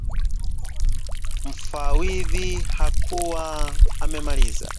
Mfawidhi hakuwa amemaliza